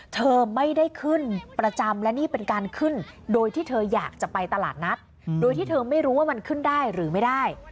เธอไม่ได้ขึ้นประจำและนี่เป็นการขึ้นโดยที่เธออยากจะไปตลาดนัดโดยที่เธอไม่รู้ว่ามันขึ้นได้หรือไม่ได้